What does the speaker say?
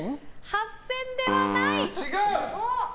８０００円ではない。